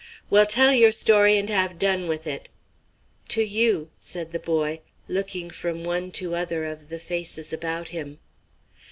"Well, tell your story and have done with it!" "To you," said the boy, looking from one to other of the faces about him.